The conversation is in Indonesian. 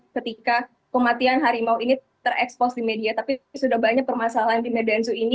ketika kematian harimau ini terekspos di media tapi sudah banyak permasalahan di medansu ini